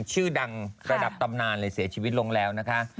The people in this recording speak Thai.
ชื่อดังระดับตำนานเลยเสียชีวิตลงแล้วนะคะ